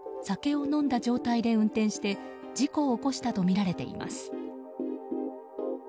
酒を飲んだ状態で運転して事故を起こしたとみられています。